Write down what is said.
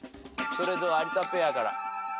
それでは有田ペアから。